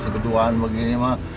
sebeduan begini mah